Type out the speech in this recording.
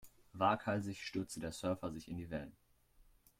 Waghalsig stürzte der Surfer sich in die Wellen.